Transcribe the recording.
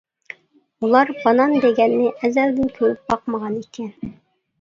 ئۇلار بانان دېگەننى ئەزەلدىن كۆرۈپ باقمىغان ئىكەن.